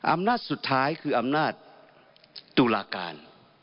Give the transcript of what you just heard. อำนาจสุดท้ายคืออำนาจตุลาการ